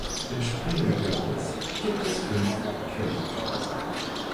Im Sprengel Görlitz gibt es fünf Kirchenkreise.